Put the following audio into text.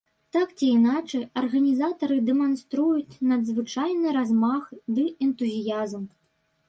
Так ці іначай, арганізатары дэманструюць надзвычайны размах ды энтузіязм.